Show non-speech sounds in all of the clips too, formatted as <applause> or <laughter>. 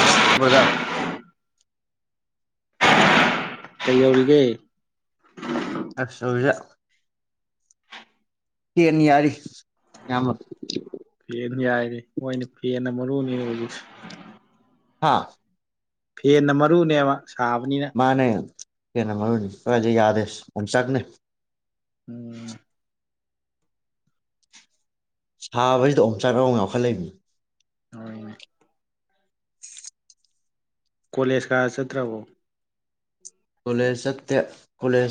<unintelligible> ꯀꯩꯗꯧꯔꯤꯒꯦ <unintelligible> ꯐꯦꯟ ꯌꯥꯔꯤ ꯌꯥꯝꯕ ꯐꯦꯟ ꯌꯥꯏꯔꯤ ꯍꯣꯏꯅꯦ ꯐꯦꯟꯅ ꯃꯔꯨꯅꯤ ꯍꯧꯖꯤꯛꯁꯨ ꯍꯥꯥ ꯐꯦꯟꯅ ꯃꯔꯨꯅꯦꯕ ꯁꯥꯕꯅꯤꯅ ꯃꯥꯅꯦ ꯐꯦꯟꯅ ꯃꯔꯨꯅꯤ ꯀꯗꯥꯏꯗꯤ ꯌꯥꯗꯦ ꯑꯣꯝꯆꯥꯛꯅꯩ ꯎꯝ ꯁꯥꯕꯁꯤꯗ ꯑꯣꯝꯅꯕꯥ ꯑꯃꯨꯛ ꯌꯥꯎꯈꯠꯂꯛꯏꯃꯤ ꯍꯣꯏꯅꯦ ꯀꯣꯂꯦꯖ ꯀꯥ ꯆꯠꯇ꯭ꯔꯕꯣ ꯀꯣꯂꯦꯖ ꯆꯠꯇꯦ ꯀꯣꯂꯦꯖ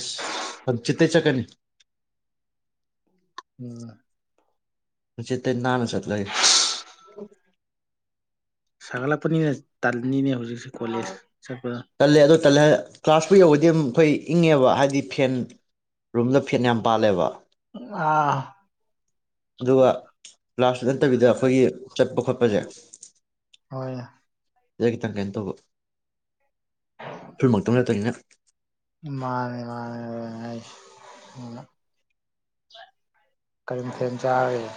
ꯍꯪꯆꯤꯇꯩ ꯆꯠꯀꯅꯤ ꯎꯝ ꯍꯪꯆꯤꯠꯇꯩ ꯅꯥꯟꯅꯥ ꯆꯠꯂꯥꯒꯦ ꯁꯥꯒꯠꯂꯛꯄꯅꯤꯅ ꯇꯜꯂꯤꯅꯤꯅꯦ ꯍꯧꯖꯤꯛꯁꯦ ꯀꯣꯂꯦꯖ ꯆꯠꯄꯗ ꯇꯜꯂꯦ ꯑꯗꯣ ꯇꯜꯂꯦ ꯍꯥꯏ ꯀ꯭ꯂꯥꯁꯄꯨ ꯌꯧꯒ꯭ꯔꯗꯤ ꯑꯗꯨꯝ ꯑꯩꯈꯣꯏ ꯏꯪꯉꯦꯕ ꯍꯥꯏꯗꯤ ꯐꯦꯟ ꯔꯨꯝꯗ ꯐꯦꯟ ꯌꯥꯝ ꯄꯥꯜꯂꯦꯕ ꯑꯥ ꯑꯗꯨꯒ ꯂꯥꯁꯁꯨ ꯅꯠꯇꯕꯤꯗ ꯑꯩꯈꯣꯏꯒꯤ ꯆꯠꯄ ꯈꯣꯠꯄꯁꯦ ꯍꯣꯏꯅꯦ ꯁꯤꯗ ꯈꯤꯇꯪ ꯀꯩꯅꯣ ꯇꯧꯕ <unintelligible> ꯅꯠꯇꯅꯤꯅ ꯃꯥꯅꯦ ꯃꯥꯅꯦ <unintelligible> ꯀꯔꯤ ꯃꯊꯦꯟ ꯆꯔꯒꯦ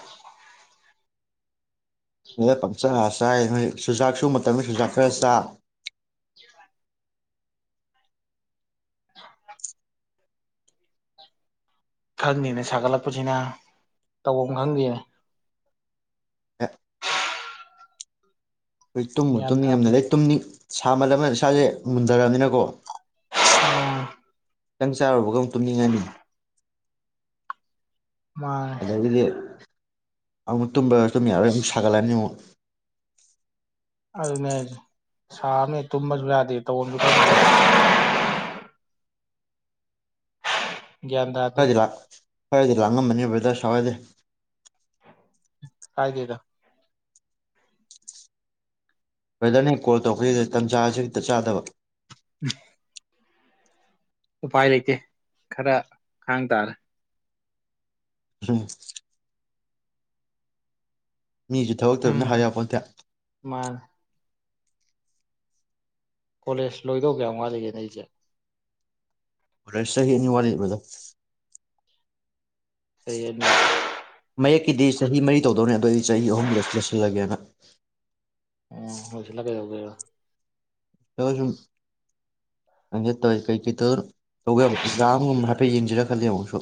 ꯗꯦꯗꯥ ꯄꯪꯆꯥ ꯆꯥꯏ ꯍꯣꯏ ꯆꯨꯖꯥꯛꯁꯨ ꯃꯇꯝꯅꯤ ꯆꯨꯖꯥꯛ ꯈꯔ ꯆꯥ <unintelligible> ꯈꯪꯗꯦꯅꯦ ꯁꯥꯒꯠꯂꯛꯄꯁꯤꯅ ꯇꯧꯐꯝ ꯈꯪꯗꯦꯅꯦ ꯑꯦ ꯑꯩ ꯇꯨꯝꯕꯨ ꯒ꯭ꯌꯥꯟ ꯇꯥꯗꯦ ꯇꯨꯝꯅꯤꯡꯅꯦꯗ ꯑꯩ ꯇꯨꯝꯅꯤꯡ ꯁꯥꯃꯜꯂꯝꯃꯦꯅ ꯏꯁꯥꯁꯦ ꯃꯨꯟꯊꯔꯕꯅꯤꯅꯀꯣ ꯎꯝ ꯈꯤꯇꯪ ꯆꯥꯔꯨꯕꯒ ꯑꯃꯨ ꯇꯨꯝꯅꯤꯡꯉꯅꯤ ꯃꯥꯅꯦ ꯑꯗꯒꯤꯗꯤ ꯑꯃꯨꯛ ꯇꯨꯝꯕ꯭ꯔꯥ ꯇꯨꯝ ꯌꯥꯔꯣꯏ ꯑꯗꯨ ꯁꯥꯒꯠꯂꯅꯤ ꯑꯃꯨꯛ ꯑꯗꯨꯅꯦ ꯍꯥꯏꯁꯦ ꯁꯥꯕꯅꯦ ꯇꯨꯝꯕꯁꯨ ꯌꯥꯗꯦ ꯇꯧꯕꯝꯁꯨ <unintelligible> ꯒ꯭ꯌꯥꯟ ꯇꯥ ꯈꯔꯗꯤ ꯂ ꯈꯔꯗꯤ ꯂꯥꯡꯉꯝꯅꯦ ꯕ꯭ꯔꯗꯔ ꯁꯥꯎꯌꯥꯗꯦ ꯀꯥꯏꯗꯦꯗ ꯕ꯭ꯔꯦꯗꯔꯅꯦ ꯀꯣꯜ ꯇꯧꯛꯄꯁꯤꯗ ꯇꯟꯖꯥꯁꯤ ꯍꯦꯛꯇ ꯆꯥꯗꯕ ꯎꯝ ꯎꯄꯥꯏ ꯂꯩꯇꯦ ꯈꯔ ꯈꯥꯡ ꯇꯥꯔꯦ <unintelligible> ꯃꯤꯁꯨ ꯊꯕꯛ ꯇꯧꯅꯤꯅ ꯍꯥꯏ ꯌꯥꯄꯣꯟꯇꯦ ꯃꯥꯜꯂꯦ ꯀꯣꯂꯦꯖ ꯂꯣꯏꯗꯧ ꯀꯌꯥꯝ ꯋꯥꯠꯂꯤꯒꯦꯅꯦ ꯑꯩꯁꯦ ꯀꯣꯂꯦꯖ ꯆꯍꯤ ꯑꯅꯤ ꯋꯥꯠꯂꯤ ꯕ꯭ꯔꯗꯔ ꯆꯍꯤ ꯑꯅꯤ ꯃꯌꯦꯛꯀꯤꯗꯤ ꯆꯍꯤ ꯃꯔꯤ ꯇꯧꯗꯧꯅꯦ ꯑꯗꯨꯏꯗꯤ ꯆꯍꯤ ꯑꯍꯨꯝꯗꯨꯗ ꯂꯣꯏꯁꯤꯜꯂꯒꯦꯅ ꯎꯝ ꯂꯣꯏꯁꯤꯜꯂ ꯀꯩꯗꯧꯒꯦꯕ <unintelligible> ꯁꯨꯝ ꯍꯪꯗꯦ ꯇꯧꯋ ꯀꯩꯀꯩ ꯇꯧꯒ ꯌꯥꯕ ꯑꯦꯛꯖꯥꯝꯒꯨꯝꯕ ꯍꯥꯏꯐꯦꯠ ꯌꯦꯡꯁꯤꯔ ꯈꯜꯂꯤ ꯑꯃꯨꯛꯁꯨ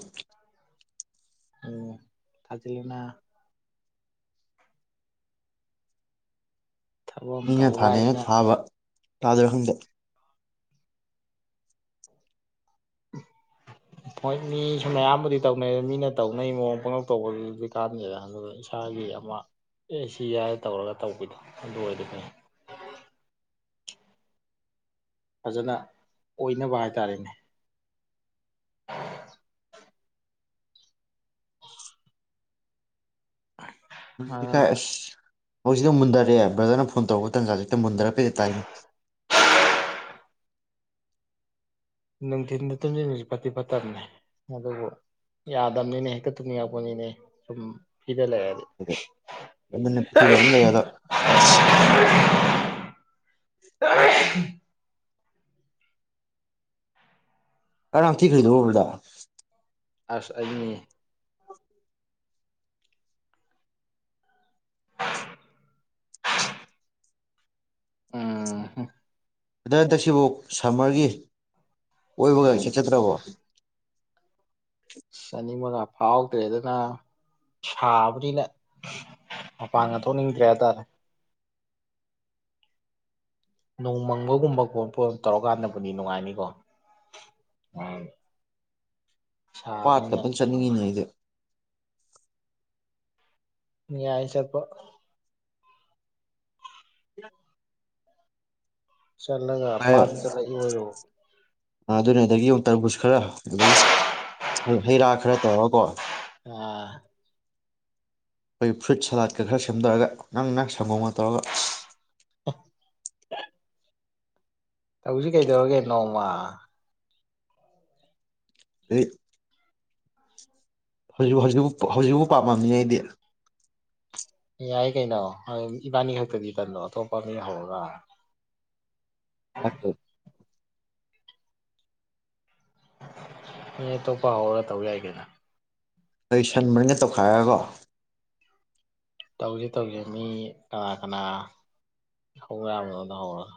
ꯑꯣ ꯊꯥꯖꯧꯅꯥ ꯊꯕꯛ ꯑꯃ ꯃꯤꯅ ꯇꯧꯍꯧꯕ ꯊꯥꯅꯩꯅ ꯍꯥꯏꯁꯤꯅ ꯊꯥꯕ ꯊꯥꯗꯣꯏ꯭ꯔꯥ ꯈꯪꯗꯦ <unintelligible> ꯍꯣꯏ ꯃꯤꯁꯨ ꯃꯌꯥꯝꯕꯨꯗꯤ ꯇꯧꯅꯩ ꯃꯤꯅ ꯇꯧꯅꯩ ꯃꯑꯣꯡ ꯄꯪꯉꯧ ꯇꯧꯕꯗꯨꯗꯤ ꯀꯥꯟꯅꯗꯦꯅ ꯑꯗꯨꯒ ꯏꯁ ꯏꯁꯥꯒꯤ ꯑꯃ ꯑꯦ ꯁꯤ ꯌꯥꯗ ꯇꯧꯔꯒ ꯇꯧꯕꯤꯗꯣ ꯑꯗꯨ ꯑꯣꯏꯗꯤ ꯐꯩ ꯐꯖꯅ ꯑꯣꯏꯅꯕ ꯍꯥꯏꯇꯥꯔꯦꯅꯦ <unintelligible> ꯍꯧꯖꯤꯇꯤ ꯈꯥꯏ ꯑꯥ ꯑꯁ ꯍꯧꯖꯤꯛꯇ ꯃꯨꯟꯗꯔꯛꯑꯦ ꯕ꯭ꯔꯗꯔꯅ ꯐꯣꯟ ꯇꯧꯔꯛꯋ ꯇꯥꯟꯖꯥꯥꯁꯦ ꯍꯦꯇ ꯃꯨꯟꯗꯔꯄ ꯍꯦ ꯇꯥꯏꯟ ꯅꯨꯡꯊꯤꯟꯗ ꯇꯨꯝꯁꯤꯟꯁꯤꯕꯁꯤ ꯐꯠꯇꯤ ꯐꯠꯇꯕꯅꯦ ꯑꯗꯨꯕꯨ ꯌꯥꯗꯕꯅꯤꯅꯦ ꯍꯦꯛꯇ ꯇꯨꯡꯉꯛꯄꯅꯤꯅꯦ ꯁꯨꯝ ꯐꯤꯗ ꯂꯩꯔꯗꯤ <unintelligible> ꯑꯁ ꯑꯔꯥꯝ ꯊꯤ <unintelligible> ꯑꯁ ꯑꯩꯩꯅꯤꯅꯦ ꯑꯣ ꯑꯗ ꯍꯟꯗꯛꯁꯤꯕꯨ ꯁꯝꯃꯔꯒꯤ ꯑꯣꯏꯕꯒ ꯆꯠꯆꯗ꯭ꯔꯕꯣ ꯆꯅꯤ ꯃꯉꯥ ꯐꯥꯎꯗ꯭ꯔꯦ ꯑꯗꯨꯅ ꯁꯥꯕꯅꯤꯅ ꯃꯄꯥꯡꯒ ꯊꯣꯛꯅꯤꯡꯗ꯭ꯔꯦ ꯍꯥꯏꯇꯥꯔꯦ ꯅꯣꯡꯃꯪꯒꯒꯨꯝꯕ ꯄꯣꯄ ꯇꯧꯔꯀꯥꯟꯗꯕꯨꯗꯤ ꯅꯨꯡꯉꯥꯏꯅꯤꯀꯣ ꯎꯝ ꯁꯥꯕꯅꯤꯅ ꯄꯥꯠꯀꯛꯇꯝ ꯆꯠꯅꯤꯡꯉꯤꯅꯦ ꯑꯩꯁꯦ ꯌꯥꯏ ꯆꯄ ꯆꯠꯂꯒꯄꯥꯥꯗ ꯆꯠꯂꯛꯏ ꯑꯣꯏꯔꯣ ꯑꯗꯨꯅꯗꯒꯤ ꯑꯃꯨ ꯇꯔꯕꯨꯁ ꯈꯔ ꯑꯗꯨꯗꯒꯤ ꯍꯩ ꯔꯥ ꯈꯔ ꯇꯧꯔꯒꯀꯣ ꯑ ꯑꯩꯈꯣꯏ ꯐꯨꯏꯠ ꯁꯂꯥꯗꯀ ꯈꯔ ꯁꯦꯝꯗꯔꯒ ꯅꯪ ꯅꯪ ꯁꯪꯒꯣꯝꯅ ꯇꯧꯔꯒ <unintelligible> ꯇꯧꯁꯤ ꯀꯩꯗꯧꯔꯒꯦ ꯅꯣꯡꯃ ꯑꯩ ꯍꯧꯖꯤꯛ ꯍꯧꯖꯤꯛ ꯍꯧꯖꯤꯛꯐꯥꯎ ꯄꯥꯝꯃꯝꯃꯤꯉꯩꯗꯤ ꯌꯥꯏ ꯀꯩꯅꯣ ꯏꯕꯥꯅꯤ ꯈꯛꯇꯗꯤ ꯇꯟꯣ ꯑꯇꯣꯞꯄ ꯃꯤ ꯍꯧꯔꯒ ꯑꯣ ꯅ ꯑꯇꯣꯞꯄ ꯍꯧꯔꯒ ꯇꯧ ꯌꯥꯏꯒꯦꯅ ꯑꯩ ꯁꯟ ꯃꯔꯤꯒ ꯇꯧꯈꯥꯏꯔꯒꯣ ꯇꯧꯁꯦ ꯇꯧꯁ ꯃꯤ ꯀꯅꯥ ꯀꯅꯥ ꯍꯧꯕ ꯌꯥꯕꯅꯣꯗꯣ ꯍꯧꯔꯒ